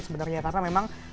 sebenarnya karena memang